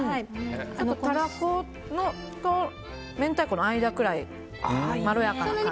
タラコと明太子の間くらいまろやかな感じ。